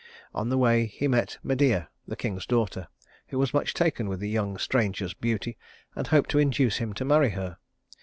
On the way he met Medea, the king's daughter, who was much taken with the young stranger's beauty, and hoped to induce him to marry her.